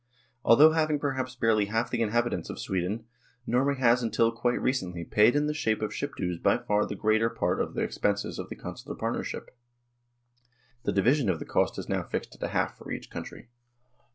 Although having perhaps barely half the inhabitants of Sweden, Norway has until quite recently paid in the shape of ship dues by far the "greater part of the expenses of the Consular partnership ; the division of the cost is now fixed at a half for each country.